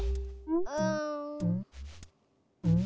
うん。